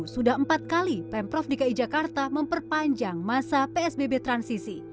sudah empat kali pemprov dki jakarta memperpanjang masa psbb transisi